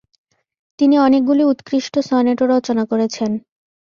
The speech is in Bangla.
তিনি অনেকগুলি উৎকৃষ্ঠ সনেটও রচনা করেছেন।